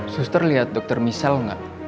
suster liat dokter misal gak